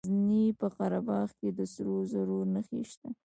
د غزني په قره باغ کې د سرو زرو نښې شته.